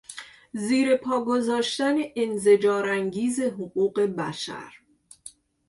زیر پا گذاشتن انزجار انگیز حقوق بشر